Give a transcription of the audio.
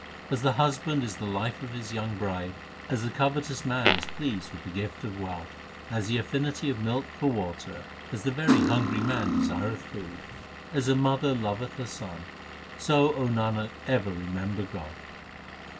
As the husband is the life of his young bride, As the covetous man is pleased with a gift of wealth, As the affinity of milk for water, As the very hungry man desireth food, As a mother loveth her son, So, O Nanak, ever remember God.